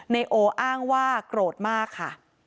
นายโออ้างว่าโกรธมากค่ะ